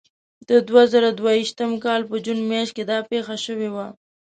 د دوه زره دوه ویشتم کال په جون میاشت کې دا پېښه شوې وه.